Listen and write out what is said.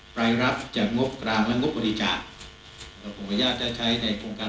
ไปรรับจากงบกลางและงบบริจาทออุปกรณ์ประญาติได้ใช้ในโครงการ